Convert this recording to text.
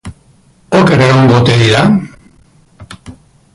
Oker egongo ote dira?